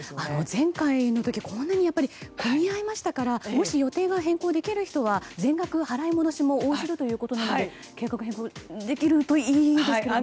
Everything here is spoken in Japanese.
前回の時やっぱり混み合いましたからもし予定が変更できる人は全額払い戻しも応じるということなので計画変更できるといいですよね。